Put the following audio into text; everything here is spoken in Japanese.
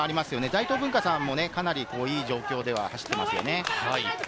大東文化大さんもかなり良い状況で走っていますね。